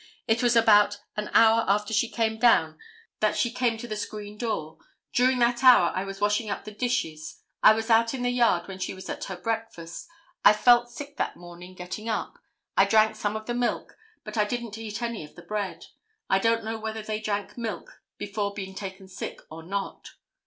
It was about an hour after she came down that she came to the screen door. During that hour I was washing up the dishes. I was out in the yard when she was at her breakfast. I felt sick that morning getting up. I drank some of the milk, but I didn't eat any of the bread. I don't know whether they drank milk before being taken sick or not.